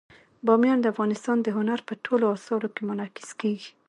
بامیان د افغانستان د هنر په ټولو اثارو کې منعکس کېږي.